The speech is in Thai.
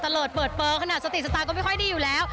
เลิศเปิดเปลือขนาดสติสตาร์ก็ไม่ค่อยดีอยู่แล้ว